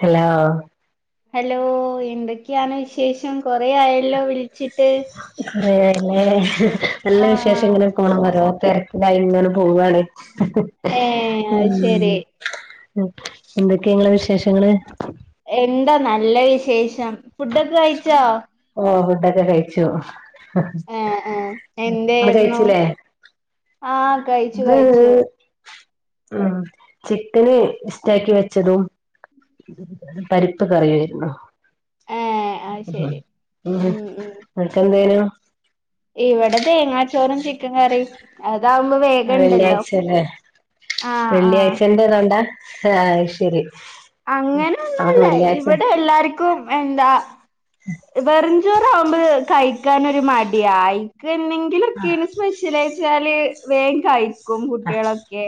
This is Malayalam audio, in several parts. ഹെലോ ഹലോ, എന്തൊക്കെയാണ് വിശേഷം? കൊറെ ആയല്ലോ വിളിച്ചിട്ട്? [unintelligible] നല്ല ആഹ് വിശേഷങ്ങൾ. [unintelligible] ഒരോ തെരക്ക് കാര്യായി ങ്ങനെ പോവാണ്. [unintelligible] ഏ അത് ശരി ഉം. എന്തെക്കെ ങ്ങളെ വിശേഷങ്ങള്? എന്താ നല്ല വിശേഷം. ഫുഡൊക്കെ കഴിച്ചോ? ഓ ഫുഡൊക്കെ കഴിച്ചു. ഏ ഏ ഇങ്ങൾ എന്തായിരുന്നു കഴിച്ചില്ലേ? ആഹ് കഴിച്ചു കഴിച്ചു [unintelligible] ഉം. ചിക്കന് ഇസ്റ്റാക്കി വെച്ചതും [unintelligible] പരിപ്പ് കറിയായിര്ന്നു. ഏ അത് ഉഹ്, ശരി ഉം. ങ്ങക്കെന്തേനു? ഇവടെ തേങ്ങാച്ചോറും ചിക്കൻ കറിം. അതാവുമ്പോ വേം ആ വെള്ളിയാഴ്ചല്ലേ!. ആഹ് ആഹ് വെള്ളിയാഴ്ചന്റെ ഇതോണ്ടാ? ഹേ.. അയ്ശെരി. അങ്ങനെ ഒന്നൊല്ല. ഇവിടെ എല്ലാർക്കും എന്താ വെറും [unintelligible] ചോറാവുമ്പോയെ കഴിക്കൻൊരു മടിയ. അയിക്കന്തെങ്കിലൊക്കെരു സ്പെഷ്യലാചാല് വേം കഴിക്കും. കുട്ടികളൊക്കെ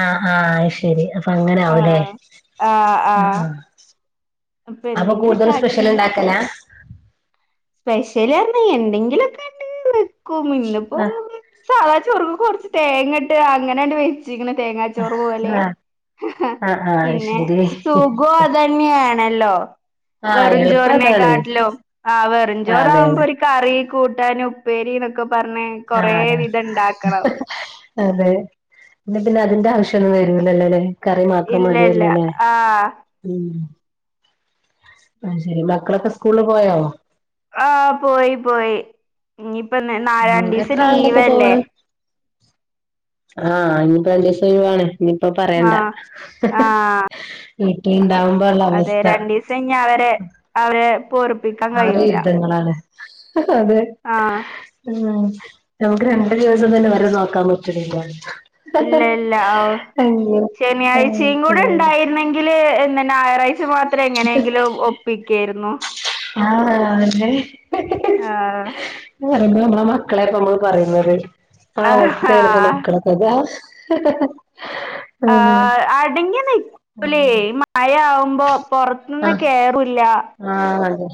ആഹ്, ആഹ്, അയ്ശെരി. അപ്പൊ അങ്ങനെ ആവുലെ? ആഹ് ആഹ് ആ ആഹ് അപ്പൊ ആ [unintelligible] കൂടുതൽ എന്തെങ്കിലൊക്കെ ആക്കി സ്പെഷ്യൽ ഇങ്ങനെ ണ്ടാക്കല? സ്പെഷ്യല് റഞ, എന്തെങ്കിലൊക്കെ ആണ്ട് വെക്കും. ഇന്ന്പ്പോ ആഹ് സാദാ ചോറ്ക്ക് കൊറച്ച് തേങ്ങ ഇട്ട് അങ്ങനാണ്ട് [unintelligible] തേങ്ങാച്ചോറ് പോലെ, ആഹ് ആഹ് ആഹ് പിന്നെ ശരി സുഖോ [unintelligible] ണല്ലോ ആഹ് എളുപ്പം വെറുംചോറിനെ അതാണ് കാട്ടിലും. ആ വെറും ആഹ് അതെ ചോറാവുമ്പോ അതെ ഒരു! കറി, കൂട്ടാന്, ഉപ്പേരി ന്നൊക്കെ പറഞ് കൊറെ ആഹ് വിധം ണ്ടാക്കണം. അതെ? എന്നാ പിന്നെ അതിന്റെ ആവശ്യംഒന്നും വരൂലല്ലോല്ലെ? കറി മാത്രം ഇല്ല ഇല്ല മതിയല്ലോല്ലേ? ആഹ് ഉം! അയ്ശെരി. മക്കളൊക്കെ സ്കൂളിൽ പോയോ? ആഹ്. പോയി, പോയി. ഇഞ്ഞിപ്പോ നാ.. ഉം എത്ര രണ്ടീസം ആളുണ്ടപ്പോ ലീവല്ലേ? പോണ് ആഹ്, ഇഞ് പ്പൊ രണ്ടീസം ഒഴിവാണ്. ഇനിയിപ്പോ പറയണ്ട., ആഹ് ആഹ് വീട്ടില് ണ്ടാവുമ്പോള്ള അവസ്ഥ. ചൈഞ്ഞ അവരെ, അവര് പോർ [unintelligible] അവരെ യുദ്ധങ്ങളാണ്. അതെ ആഹ്. ഉം നമുക്ക് രണ്ടു ദിവസം തന്നെ അവരെ നോക്കാൻ പറ്റണില്ല. ഇല്ല ഇല്ല ഓഹ് അയ്യോ ശനിയാഴ്ചയും ആഹ് കൂടെ ഉണ്ടായിരുന്നെങ്കിൽ. എങ്കില് ഇന്ന് ഞായറാഴ്ച മാത്രം എങ്ങനെയെങ്കിലും ഒപ്പിക്കായിരുന്നു. ആഹ് അല്ലെ ഹ ആഹ് ഹ പറയുമ്പോ നമ്മളുടെ മക്കളെ ഇപ്പ നമ്മള് പറയുന്ന ഒരു അവസ്ഥയാണ് ഇപ്പോ ആഹ് മകളെ [unintelligible] ഹ ഹ ആഹ അടങ്ങി നി പോലെ മഴ ആവുമ്പോ പോറത്തുന്ന് കേറൂല ആ അതെ.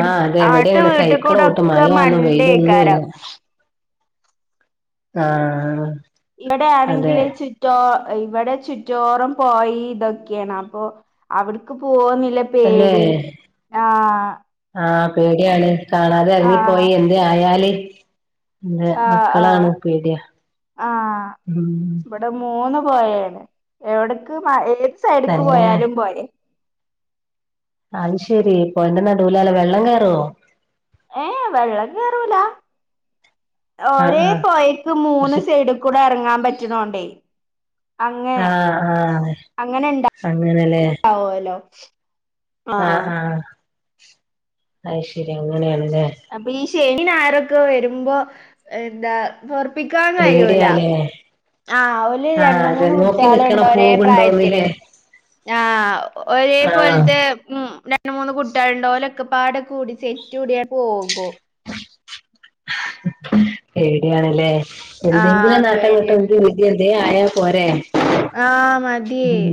ആഹ് അതെ അടുത്ത എവിടെയാണ് വീട്ടിൽ സൈക്കിൾ കൂടെ ഓട്ടും ഒക്കെ മഴ ആന്നും വെയിലൊന്നുമില്ല. മണ്ടേക്കാരം ആഹ് ഇവിടെ അതെ ആണെക്കിലെ ചുറ്റു ട്ടോ ഇവിടെ ചുറ്റോറം പൊഴേ ഇതൊക്കെയാണ്. അപ്പൊ അവിടക്ക് പോകുന്നില്ല തന്നെ ആഹ പേടിയാണ്. കാണാതെ ആഹ് ഇറങ്ങിപ്പോയാൽ തെ ആയാല്. അതെ ആഹ് ആഹ് മക്കടെയാണ് പീടിയ ആഹ് മം. ഇവിടെ മൂന്ന് പോഴാണ് എവിടക്ക് ഏത് സൈഡക്ക് തന്നെ പോയാലും പോഴാ അത് ശരി പോയേന്റെ നാടുവിലലെ വെള്ളം കേറുവോ ഏ വെള്ളം കേറൂല ആഹ് ഒരേ ആഹ് പോയക്ക് മൂന്ന് പക്ഷെ സൈഡി കൂടെ ഇറങ്ങാൻ പറ്റാനൊണ്ടേയ്. ആഹ് ആഹ് അങ്ങനെല്ലേ. ആഓലോ ആഹ് ആഹ് അത്ശരി അങ്ങനെയനല്ലേ. അപ്പൊ ഈ ശനീന് ഞായറുംക്കെ വരുമ്പോ എന്താ പൊറുപ്പിക്കാൻ കഴിയൂല പേടിയാലേ ആഹ് ഓര് ആഹ് രണ്ടു അതെ മൂന്ന് നോക്കി കുട്ടിയോള്ളുണ്ട് നിക്കണം ഒരേ പ്രായത്തില് പോവുണ്ടോന്നില്ലേ ആഹ് ഒരേ ആഹ് പോലത്തെ ഉം രണ്ട് [unintelligible] മൂന്ന് കുട്ടികളണ്ട ഒരൊക്കെ പാടൊ കൂടി സെറ്റ് കൂടിയ പോകോ. പേടിയണല്ലേ ആഹ് എന്തെങ്കിലും നാട്ടംഅങ്ങോട്ട പേടിയാണ് [unintelligible] എന്തെ ആയാ പോരെ ആഹ് മതി ഉം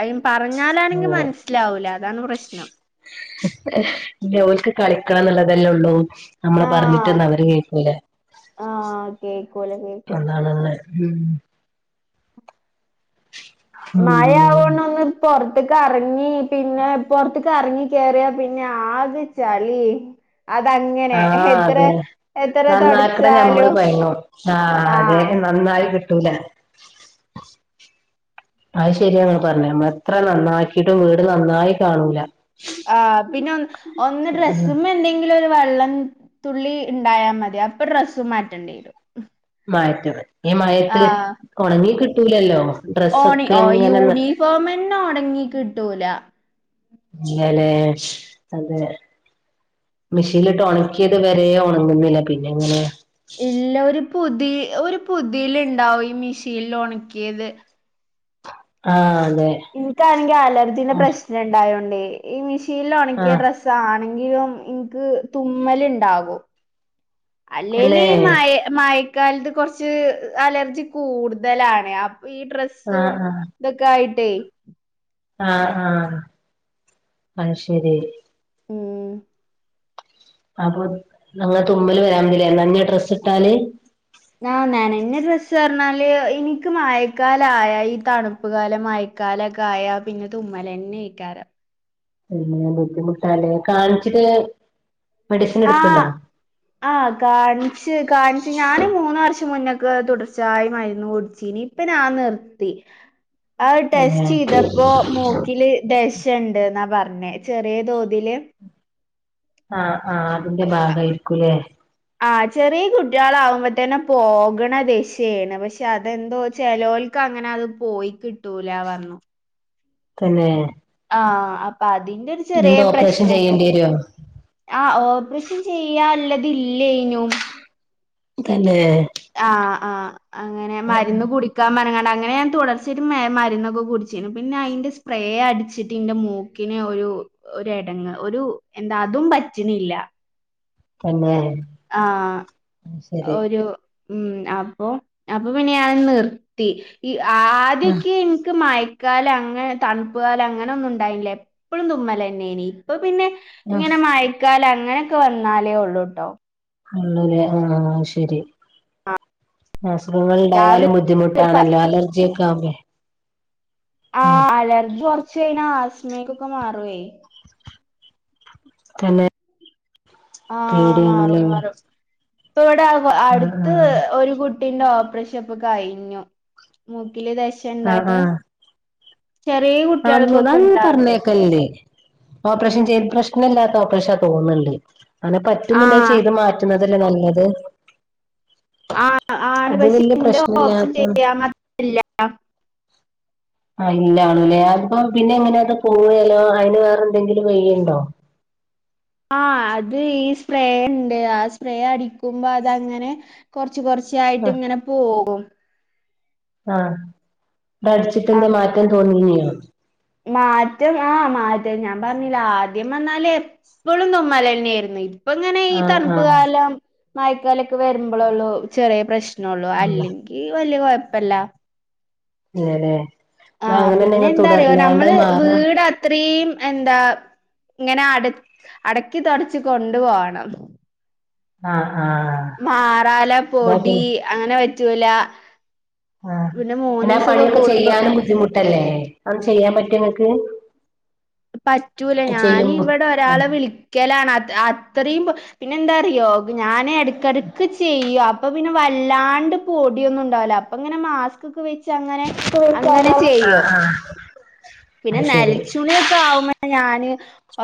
അയിം പറഞ്ഞാലാണെങ്കി അങ്ങനെ മനസ്സിലാവൂല അതാണ് പ്രശ്നം ന്റെ ഓൾക്ക് കളിക്കാന്നുള്ളതെല്ലെ ഉള്ളൂ നമ്മള് ആഹ് പറഞ്ഞിട്ടന്നവര് കേൾക്കൂല ആഹ് കേക്കൂല കേക്കൂല എന്താണല്ലേ ഉം ഉം മയയാവണൊന്ന് പൊറത്ത് കറങ്ങി പിന്നെ പൊറത്ത് കറങ്ങിക്കേറിയ പിന്നെ ആകെ ചളി. അതങ്ങനെ ആഹ് എത്ര അതെ എത്ര നന്നാക്കണ ഞമ്മള് തൊടച്ചാലും കൊയങ്ങും ആഹ് ദ്ദേഹം നന്നായി കിട്ടൂല. [inaudible] അയ് ശെരിയാങ്ങ പറഞ്ഞെ നമ്മ എത്ര നന്നാക്കിട്ടും വീട് നന്നായി കാണൂല. ആഹ് പിന്നെ ഒ ഒന്ന് ഡ്രസ്സ്മേ എന്തെ ന്തെങ്കിലും ഒരു വെള്ളം തുള്ളി ഇണ്ടായാമതി അപ്പൊ ഡ്രസ്സ്‌ മാറ്റേണ്ടിരും. [unintelligible] ഈ മഴയത്ത് ആഹ് ഒണങ്ങി കിട്ടൂലല്ലോ. ഓണി ഡ്രസ്സൊക്കെ ഓ ഇങ്ങനെ യൂണിഫോമന്നോണങ്ങി കിട്ടൂല ഇങ്ങനേ അതെ മെഷീനിലിട്ട് ഒണക്കിയത് വരെ ഒണങ്ങുന്നില്ല പിന്നെങ്ങനെയാ. ഇല്ല ഒരു പുതി ഒരു പുതീലിണ്ടാവും ഈ മിഷീലിലൊണക്കിയത് ആഹ് അതെ എനിക്കാണെങ്കിൽ അലർജീന്റെ പ്രശ്നൊണ്ടായോണ്ടെ ഈ മിഷീലൊണക്കിയ ആഹ് ഡ്രസ് സണെങ്കിലും ഇന്ക്ക് തുമ്മലിണ്ടാകു അല്ലേലീ തന്നെ മായ മയക്കാലത്ത് കൊറച്ച് അലർജി കൂടുതലാണെ അപ്പൊയീ ഡ്രസ്സും ആഹ് ആഹ് ഇതൊക്കായിട്ടേ ആഹ് ആഹ് അയ്ശെരി ഉം അപ്പൊ [unintelligible] തുമ്മല് വരാഞ്ഞില്ലേ നഞ്ഞ ഡ്രെസ്സിട്ടാല് ആഹ് നനഞ്ഞ ഡ്രസ്സ്ർഞ്ഞാല് ഇനിക്ക് മയക്കാലായ ഈ തണു ഉപ്പുകാല മഴക്കാലക്കായ പിന്നെ തുമ്മലന്നെയിക്കാരം പിന്നെ ബുദ്ധിമുട്ടാല്ലേ കാണിച്ചിട്ട് മെഡിസിൻ എടുക്ക്ണ്ടോ ആഹ് ആഹ് കാണിച്ച് കാണിച്ച് ഞാനി മൂന്ന് വർഷം മുന്നൊക്കെ തുടർച്ചായി മരുന്നു കുടിച്ചീനി ഇപ്പഞാ നിർത്തി ആ തന്നെ ടെസ്റ്റിയ്തപ്പോ മൂക്കില് ദശണ്ട്ന്നാ പറഞ്ഞേ ചെറിയ തോതില് ആഹ് ആഹ് അത്ന്റെ ഭാഗായിരിക്കൂല്ലേ ആഹ് ചെറിയ കുട്ടികളാവുമ്പോത്തന്നെ പോകണ ദശാണ് പക്ഷെ അതെന്തോ ചെലോൽ ക്കങ്ങനത് പോയി കിട്ടൂല പറഞ്ഞു തന്നേ ആഹ് അപ്പാതിൻ്റൊരു ചെറിയ ഓപ്പറേഷൻ പ്രശ്നണ്ട് ചെയ്യേണ്ടി വരോ ആ ഓപ്രേഷൻ ചെയ്യാനുള്ളതില്ലെയ്നും തന്നേ ആഹ് ആഹ് അങ്ങനെ മരുന്ന് കുടി ക്കമനങ്ങാണ്ടങ്ങനെ ഞാൻ തുടർച്ചായിട്ട് മെമരുന്നൊക്കെകുടിച്ചിനു പിന്നയിൻ്റെ സ്പ്രേ അടിച്ചിട്ട് ഇൻ്റെ മൂക്ക് ക്ക്നൊരു ഒരെടങ്ങ് ഒരു എന്താ അതും പറ്റിണില്ല തന്നേ ആഹ് ഒരു ഉം അപ്പൊ അപ്പൊപിന്നെ ഞാൻ നിർത്തി ഈ ആഹ് ആദ്യക്കെ എനിക്ക് മയ് കാലങ്ങനെ തണുപ്പുകാലങ്ങനൊന്നുണ്ടായില്ലെപ്പോഴും തുമ്മലന്നെനി ഇപ്പാപ്പിന്നെ ആഹ് ഇങ്ങനെ മയക്കാലങ്ങനൊക്കെ വന്നാലേ ഒള്ളൂട്ടോ ള്ളുലേ ആഹ് ശെരി രാവിലെ അസുഖങ്ങളുണ്ടായാലും ബുദ്ധിമുട്ടാണല്ലോ അലർജിയൊക്കെ ആവുബൊ ആഹ് അലർജി കൊറച്ച്ഴിഞ്ഞാ ആസ്മേക്കൊക്കെ മാറുവേ തന്നെ ആ പേടിയാണല്ലേ മാറുംമാറും ഇപ്പവിടെ ആഹ് അടുത്ത് ആഹ് ഒരുകുട്ട കുട്ടീന്റെ ഓപ്പറഷപ്പൊകഴിഞ്ഞു മൂക്കില്ദശഇണ്ടായിട്ട് ചെറിയകു [unintelligible] പറഞ്ഞേക്കല്ലേ? ഓപ്പറേഷൻചെയ്ത് പ്രശ്നഇല്ലാത്ത ഓപ്പറേഷ തോന്ന്ണ്ട് അങ്ങനെ ആഹ് പറ്റുംന്നുണ്ടങ്കിചെയ്ത് മാറ്റ റ്റുന്നതല്ലേ നല്ലത് ആ അത് ആണ്പക്ഷെ വല്യ ഇൻ്റെ ഓപ്പറേഷൻ പ്രശ്നല്ലാത്ത ചെയ്യാൻ മാത്ര ഇല്ല അ ഇല്ല ലെപ്പം പിന്നെഎങ്ങനെയത് പോവല്ലോ അയിന് വേറെഎന്തെങ്കിലും വയ്യിണ്ടോ ആ അത് ഈ സ്പ്രേ ഇണ്ട് ആ സ്പ്രേഅടിക്കുമ്പോഅതങ്ങനെ കൊറച്ച് ആഹ് കൊറച്ചായിട്ട്ങ്ങനെ പോകും ആ ഇതടിച്ചിട്ട് എൻതേ അങ്ങ് മാറ്റം തോന്നിനിയോ? മാറ്റം ആ മാറ്റം ഞാൻ പറഞ്ഞിലെ ആദ്യംവന്നാല് പ്പളും തുമ്മലന്നെയായിരുന്നു ഇപ്പങ്ങനെ ആഹ് ആഹ് ഈതണുപ്പ്കാലം മയക്കാലൊക്കെ വരുമ്പളൊള്ളൂ ചെറിയപ്രശ് ശ്നൊള്ളൂ ഉം അല്ലെങ്കി വല്യകൊഴപ്പല്ല ഇല്ല ആ ലേ അങ്ങനെന്നെ തുടർന്നാണ്ട് മാറ? ത്രേയിം എന്താ ഇങ്ങനെ അട അടക്കിതൊടച്ച്കൊണ്ടുപൊണം ആഹ ആഹ മാറാല പൊടി അങ്ങനെപറ്റൂല ആഹ പിന്നെ ആ പണിയൊക്കെ ചെയ്യാനുംബുദ്ധിമുട്ടല്ലേ അതൊന്നു ചെയ്യാൻപറ്റോ ങ്ങക്ക്? പറ്റൂല ചെയ്യുമ്പോ ഞാനിവിടെ ആഹ് ഒരാളെവിളി ക്കേലാണ്. അത് അത്രയുംപ പിന്നെന്തറിയോ ഞാനെടക്ക്ടക്ക് ചെയ്യോ അപ്പൊപിന്നെ വല്ലാണ്ട്പൊടിയൊന്നും ഉണ്ടവുല അപ്പംഇങ്ങനെമാസ്ക് മാസ്കൊകെവെച്ച്ങ്ങനെ അങ്ങനെ ചെയും ആഹ് അത് ശരി പിന്നെനൽച്ചുലിയൊക്ക ഇൻക്ക. ആവുമ്പോ ഞാന്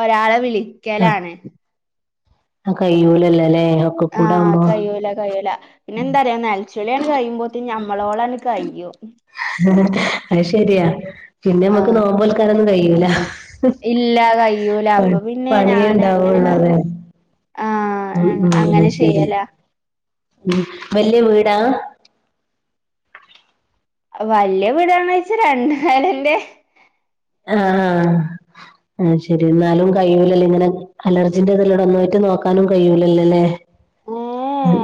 ഒരാളെവിളിക്കലാണ് ആ കയ്യുല്ലല്ലേ ഒ ആഹ് കഴിയുല കഴിയുല പിന്നെന്താറിയൊ നൽച്ചുളിയണ് കഴിയുമ്പോത്തിന് നമ്മളോളൊ ഹഹഹ അത് ശരിയാ പിന്നെനമ്മക്ക് ആഹ് നോമ്പോൽ ക്കനൊന്നുംകഴൂല ഹഹ് ഇല്ല കയ്യൂല പ അപ്പൊ പിന്നെ ഞാനങ്ങനെ പണിയെണ്ടാവുള്ളൂ അതെ ഉം ആഹ് ഉം അങ്ങനെ ശരി ചെയ്യലാ ഉം വല്യവീടാ? വല്യയവീടണന്നൊയ്വച്ച രണ്ട് നിലന്റെ ആഹ അ ആ ശരി എന്നാലും കഴൂലലെങ്ങനെ അലർജിന്റെ ഇതല്ലോടെ ഒന്നായിട്ട് നോക്കാനും കഴിയൂല്ലല്ലല്ലേ?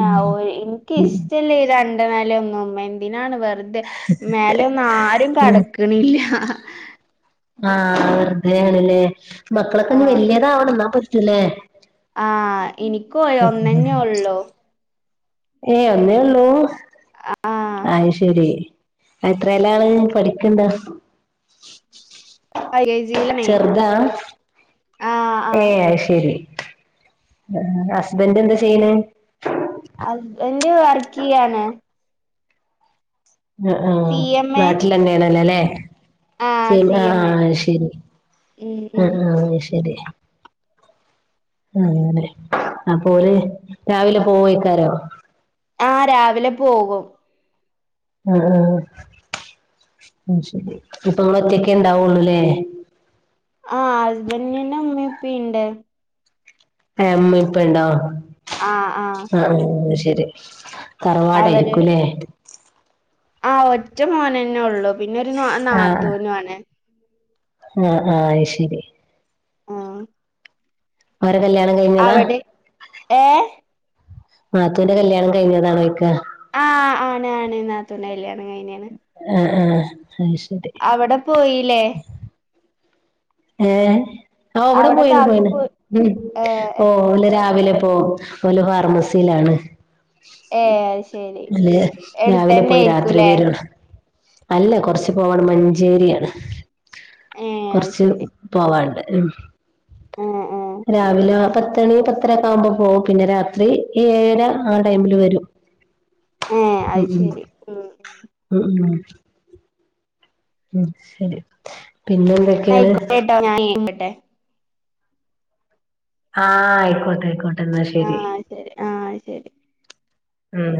ഏഎഒയ് ഇൻക്ക്ഇഷ്ടല്ല രണ്ട് എ മേലെന്നും എന്തിനാണ് വെറുതെ മേലെന്നുംആരുംകടക്കണില്ല ആഹ വെറുതെണ്ല്ലേ മക്കളൊക്കെങ്ങ് വെല്യതാവണംന്നാപറ്റുംല്ലേ? ആ ഇനിക്കും യ ഒന്നന്നെള്ളൂ ഏയ് ഒന്നേയൊള്ളൂ? ആഹ് അയ്ശരി എത്രയലാണ് പഠിക്ക്ണ്ടൊ? ഐ എജീയിലാണേ ഏ അയ്ശരി ഹസ്ബന്റന്താ ചെയ്യ്ണെ? ഹസ്ബന്റ് വർക്ക്യ്യാണ് ആ ആഹ സി എം എ നാട്ടിലന്നെണല്ലല്ലേ? ആഹ് [unintelligible] സി എം എ ആഹ ശരി ഉം ആഹ ഉം ആഹ ശരി ആലെ അപ്പോര് രാവിലെ പോവയ്ക്കാരോ? ആ രാവിലെപോവും. ആ ആ ശരി ഇപ്പൊങ്ങൾറ്റയൊക്കെണ്ടാവുള്ളൂല്ലേ? ആ ഹസ്ബന്റിന്റെ ഉമ്മീഉപ്പീണ്ട് ഉമ്മി ഇപ്പണ്ടൊ? ആ ആ ആ ശരി അവര് തറവാടായിരിക്കൂല്ലേ? ആ ഒറ്റ മോനെന്നൊള്ളു പിന്നെ ഒരു നാത്തൂനു ആണ്. ആ ആ അയ്ശരി ആ ഓരെ കല്യാണം കഴിഞ്ഞതാ? അവിടെ ഏ നാത്തൂന്റെ കല്യാണം കഴിഞ്ഞതാണോയ്ക്കാ. ആ ആണ് ആണ് നാത്തൂന്റെ കല്യാണം കഴിഞ്ഞ് ആ ആ അ ശരി അവടെ പോയില്ലേ? ഏ ആ അവ്ടെ അവിടെ പോയിന് കാക്കു പോയിന് പോ ഉം ഏ ഏ ഓല്ല് രാവിലെ ഇപ്പോ ഓല് ഫാർമസിയിലാണ്. ഏ അത് ശരി ഇവല് രാവിലെ എടുത്തന്നെ പോയി രാത്രി ആയിരിക്കൂല്ലേ വരുള്ളൂ. അല്ല കൊറച്ചു പോവണം മഞ്ചേരിയാണ്. ഏ അത് കൊറച്ച് ശരി പോവാണ്ട് ഉം ഏ ഏ രാവിലെ പത്ത് പത്തണി പത്തരക്കെ ആകുമ്പോ പോവും. പിന്നെ രാത്രി ഏഴര ആ ടൈമിൽ വരും. ഏ ഉം അത് ഉം ശരി ഉം ഉം ഉം ഉം ശരി. പിന്നെന്തേ [inaudible] ആഹ് ആയിക്കോട്ടായിക്കോട്ടെ. എന്നാ ആ ശരി. ശരി ആ ശരി ഉം